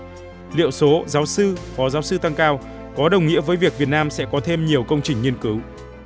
và liệu số giáo sư phò giáo sư tăng cao có đồng nghĩa với việc việt nam sẽ có thêm nhiều công trình nghiên cứu